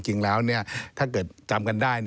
จริงแล้วถ้าเกิดจำกันได้